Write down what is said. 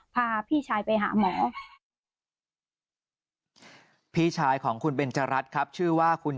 พี่ชายของคุณเบันจรัสครับชื่อว่าคุณ